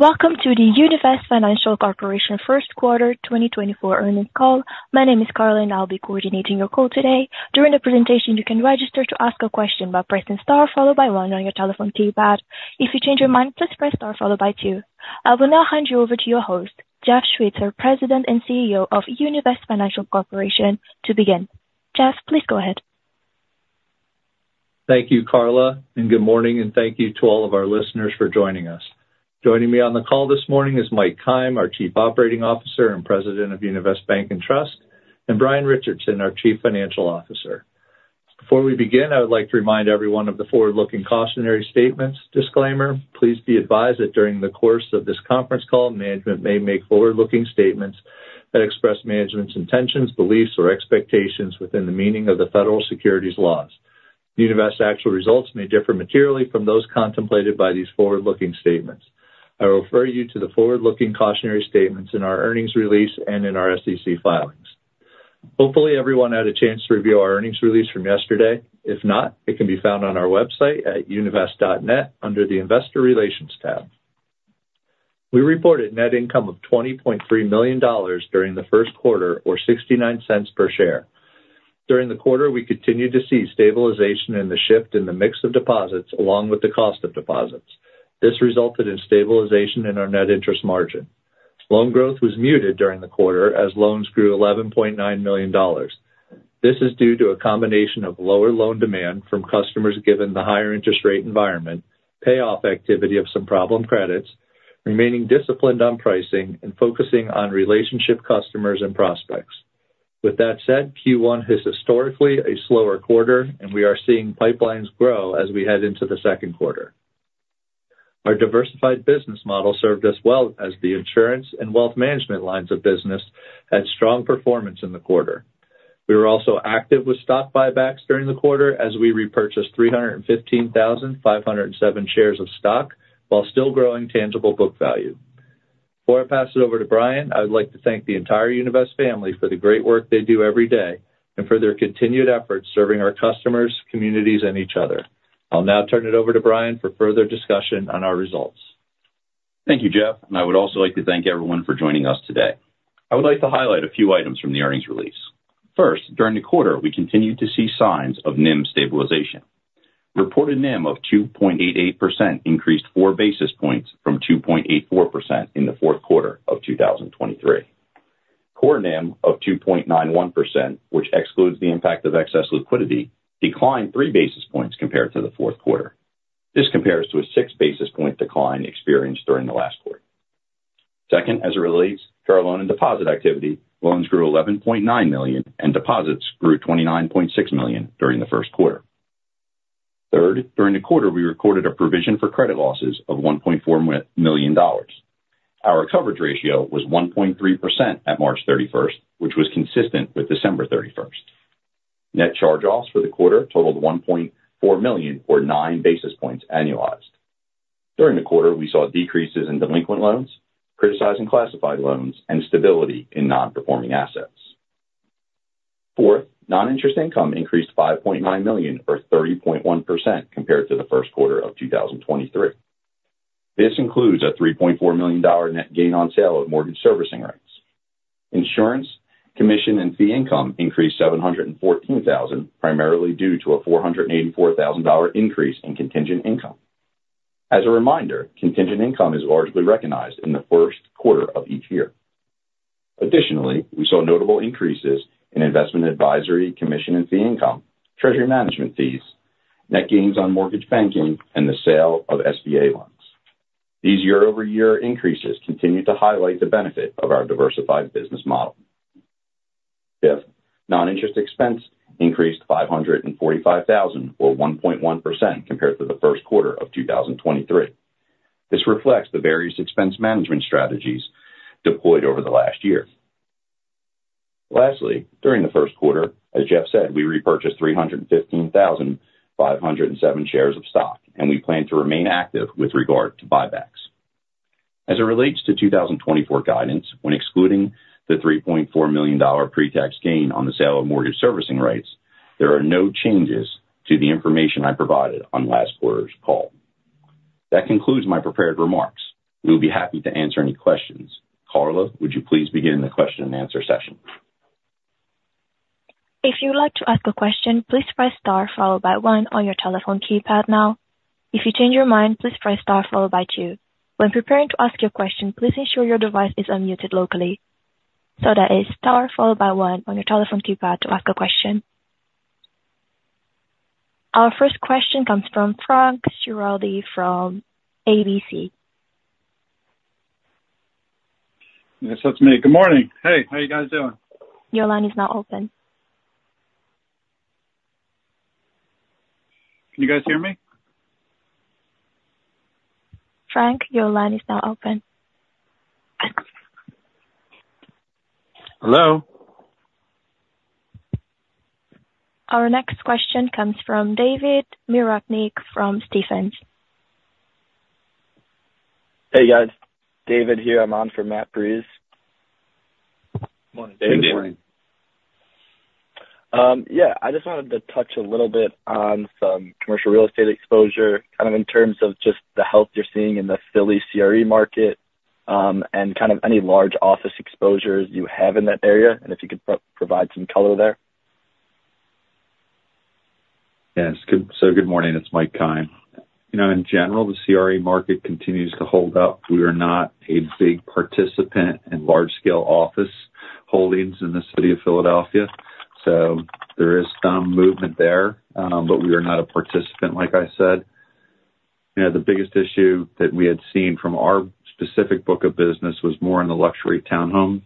Welcome to the Univest Financial Corporation 1Q 2024 earnings call. My name is Carla. I'll be coordinating your call today. During the presentation, you can register to ask a question by pressing star followed by one on your telephone keypad. If you change your mind, please press star followed by two. I will now hand you over to your host, Jeff Schweitzer, President and CEO of Univest Financial Corporation. To begin, Jeff, please go ahead. Thank you, Carla, and good morning. Thank you to all of our listeners for joining us. Joining me on the call this morning is Mike Keim, our Chief Operating Officer and President of Univest Bank and Trust, and Brian Richardson, our Chief Financial Officer. Before we begin, I would like to remind everyone of the forward-looking cautionary statements. Disclaimer: please be advised that during the course of this conference call, management may make forward-looking statements that express management's intentions, beliefs, or expectations within the meaning of the federal securities laws. Univest's actual results may differ materially from those contemplated by these forward-looking statements. I refer you to the forward-looking cautionary statements in our earnings release and in our SEC filings. Hopefully, everyone had a chance to review our earnings release from yesterday. If not, it can be found on our website at univest.net under the Investor Relations tab. We reported net income of $20.3 million during the 1Q, or $0.69 per share. During the quarter, we continued to see stabilization in the shift in the mix of deposits along with the cost of deposits. This resulted in stabilization in our net interest margin. Loan growth was muted during the quarter as loans grew $11.9 million. This is due to a combination of lower loan demand from customers given the higher interest rate environment, payoff activity of some problem credits, remaining disciplined on pricing, and focusing on relationship customers and prospects. With that said, Q1 is historically a slower quarter, and we are seeing pipelines grow as we head into the 2Q. Our diversified business model served us well as the insurance and wealth management lines of business had strong performance in the quarter. We were also active with stock buybacks during the quarter as we repurchased 315,507 shares of stock while still growing tangible book value. Before I pass it over to Brian, I would like to thank the entire Univest family for the great work they do every day and for their continued efforts serving our customers, communities, and each other. I'll now turn it over to Brian for further discussion on our results. Thank you, Jeff. I would also like to thank everyone for joining us today. I would like to highlight a few items from the earnings release. First, during the quarter, we continued to see signs of NIM stabilization. Reported NIM of 2.88% increased 4 basis points from 2.84% in the fourth quarter of 2023. Core NIM of 2.91%, which excludes the impact of excess liquidity, declined 3 basis points compared to the fourth quarter. This compares to a 6 basis point decline experienced during the last quarter. Second, as it relates to our loan and deposit activity, loans grew $11.9 million and deposits grew $29.6 million during the 1Q. Third, during the quarter, we recorded a provision for credit losses of $1.4 million. Our coverage ratio was 1.3% at March 31st, which was consistent with December 31st. Net charge-offs for the quarter totaled $1.4 million, or nine basis points, annualized. During the quarter, we saw decreases in delinquent loans, criticized classified loans, and stability in non-performing assets. Fourth, non-interest income increased $5.9 million, or 30.1%, compared to the 1Q of 2023. This includes a $3.4 million net gain on sale of mortgage servicing rights. Insurance commission and fee income increased $714,000, primarily due to a $484,000 increase in contingent income. As a reminder, contingent income is largely recognized in the 1Q of each year. Additionally, we saw notable increases in investment advisory commission and fee income, treasury management fees, net gains on mortgage banking, and the sale of SBA loans. These year-over-year increases continue to highlight the benefit of our diversified business model. Fifth, non-interest expense increased $545,000, or 1.1%, compared to the 1Q of 2023. This reflects the various expense management strategies deployed over the last year. Lastly, during the 1Q, as Jeff said, we repurchased 315,507 shares of stock, and we plan to remain active with regard to buybacks. As it relates to 2024 guidance, when excluding the $3.4 million pretax gain on the sale of mortgage servicing rights, there are no changes to the information I provided on last quarter's call. That concludes my prepared remarks. We will be happy to answer any questions. Carla, would you please begin the question and answer session? If you would like to ask a question, please press star followed by one on your telephone keypad now. If you change your mind, please press star followed by two. When preparing to ask your question, please ensure your device is unmuted locally. So that is star followed by one on your telephone keypad to ask a question. Our first question comes from Frank Schiraldi from Piper Sandler. Yes, that's me. Good morning. Hey, how are you guys doing? Your line is now open. Can you guys hear me? Frank, your line is now open. Hello? Our next question comes from David Mirochnick from Stephens. Hey, guys. David here. I'm on for Matt Breese. Morning, David. Hey, good morning. Yeah, I just wanted to touch a little bit on some commercial real estate exposure, kind of in terms of just the health you're seeing in the Philly CRE market and kind of any large office exposures you have in that area, and if you could provide some color there. Yes, so good morning. It's Mike Keim. In general, the CRE market continues to hold up. We are not a big participant in large-scale office holdings in the city of Philadelphia. There is some movement there, but we are not a participant, like I said. The biggest issue that we had seen from our specific book of business was more in the luxury townhome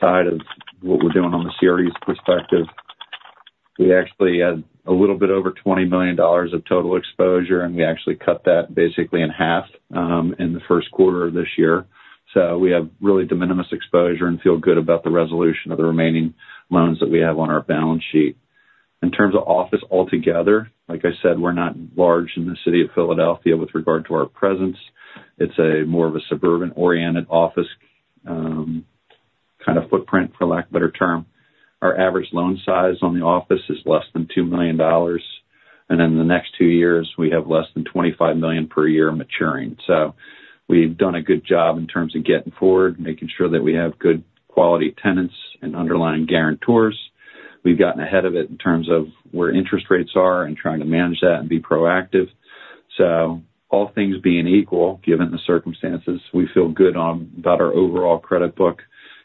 side of what we're doing on the CRE's perspective. We actually had a little bit over $20 million of total exposure, and we actually cut that basically in half in the 1Q of this year. We have really de minimis exposure and feel good about the resolution of the remaining loans that we have on our balance sheet. In terms of office altogether, like I said, we're not large in the city of Philadelphia with regard to our presence. It's more of a suburban-oriented office kind of footprint, for lack of a better term. Our average loan size on the office is less than $2 million. In the next two years, we have less than $25 million per year maturing. We've done a good job in terms of getting forward, making sure that we have good quality tenants and underlying guarantors. We've gotten ahead of it in terms of where interest rates are and trying to manage that and be proactive. All things being equal, given the circumstances, we feel good about our overall credit book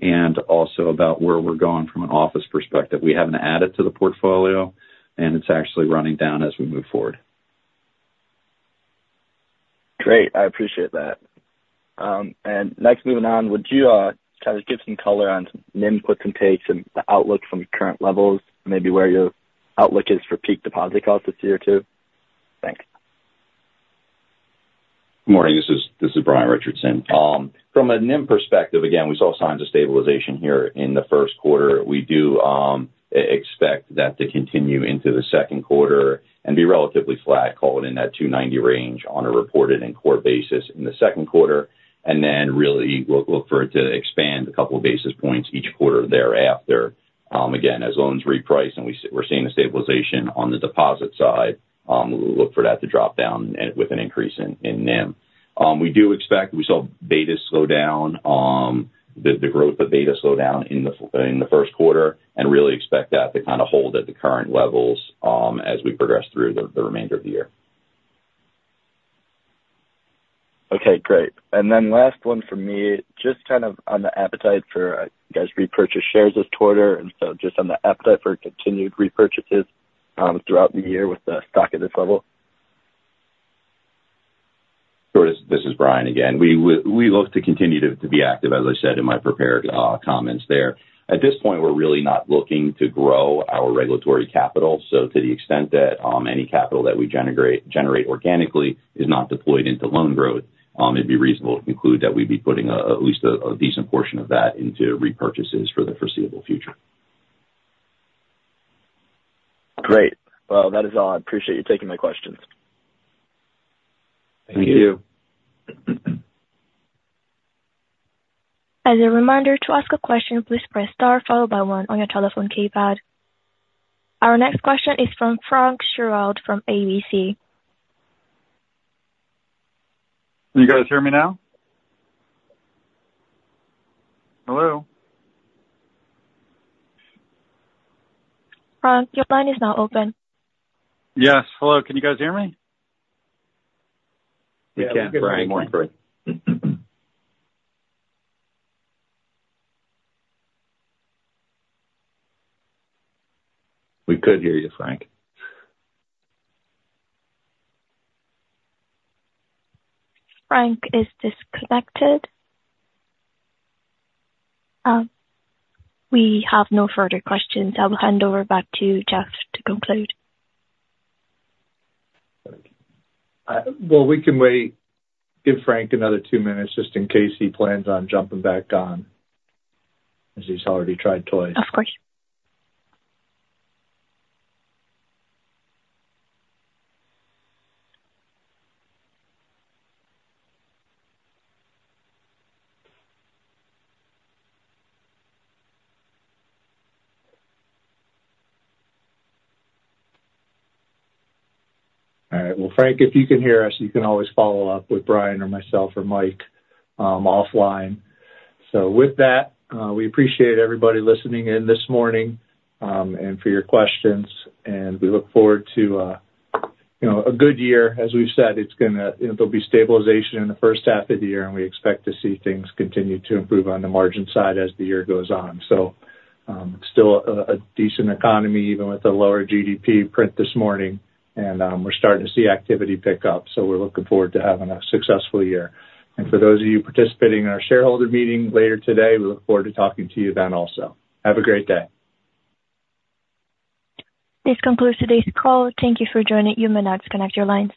and also about where we're going from an office perspective. We haven't added to the portfolio, and it's actually running down as we move forward. Great. I appreciate that. Next, moving on, would you kind of give some color on some NIM puts and takes and the outlook from current levels, maybe where your outlook is for peak deposit cost this year too? Thanks. Good morning. This is Brian Richardson. From a NIM perspective, again, we saw signs of stabilization here in the 1Q. We do expect that to continue into the 2Q and be relatively flat, call it in that 290 range on a reported and core basis in the 2Q. And then really look for it to expand a couple of basis points each quarter thereafter. Again, as loans reprice and we're seeing a stabilization on the deposit side, we'll look for that to drop down with an increase in NIM. We do expect we saw beta slow down, the growth of beta slow down in the 1Q, and really expect that to kind of hold at the current levels as we progress through the remainder of the year. Okay, great. And then last one from me, just kind of on the appetite for you guys repurchase shares this quarter. And so just on the appetite for continued repurchases throughout the year with the stock at this level. Sure. This is Brian again. We look to continue to be active, as I said in my prepared comments there. At this point, we're really not looking to grow our regulatory capital. So to the extent that any capital that we generate organically is not deployed into loan growth, it'd be reasonable to conclude that we'd be putting at least a decent portion of that into repurchases for the foreseeable future. Great. Well, that is all. I appreciate you taking my questions. Thank you. Thank you. As a reminder, to ask a question, please press star followed by one on your telephone keypad. Our next question is from Frank Schiraldi from RBC. Can you guys hear me now? Hello? Frank, your line is now open. Yes. Hello. Can you guys hear me? Yeah, Brian. Yeah, we can. We could hear you, Frank. Frank is disconnected. We have no further questions. I will hand over back to Jeff to conclude. Well, we can wait, give Frank another two minutes just in case he plans on jumping back on as he's already tried twice. Of course. All right. Well, Frank, if you can hear us, you can always follow up with Brian or myself or Mike offline. So with that, we appreciate everybody listening in this morning and for your questions. And we look forward to a good year. As we've said, it's going to, there'll be stabilization in the first half of the year, and we expect to see things continue to improve on the margin side as the year goes on. So it's still a decent economy, even with the lower GDP print this morning. And we're starting to see activity pick up. So we're looking forward to having a successful year. And for those of you participating in our shareholder meeting later today, we look forward to talking to you then also. Have a great day. This concludes today's call. Thank you for joining. You may now disconnect your line.